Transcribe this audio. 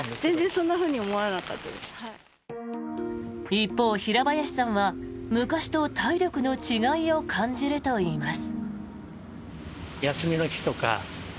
一方、平林さんは昔と体力の違いを感じるといいます。